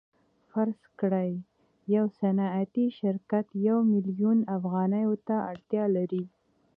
فرض کړئ یو صنعتي شرکت یو میلیون افغانیو ته اړتیا لري